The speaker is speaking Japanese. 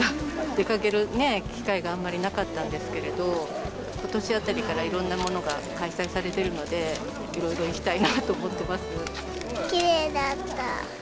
出かける機会があんまりなかったんですけれど、ことしあたりから、いろんなものが開催されているので、いろいろ行きたいなと思ってきれいだった。